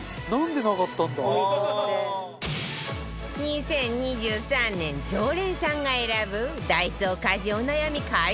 ２０２３年常連さんが選ぶダイソー家事お悩み解消グッズ